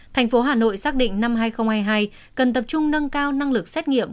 thành phố hà nội xác định năm hai nghìn hai mươi hai cần tập trung nâng cao năng lực xét nghiệm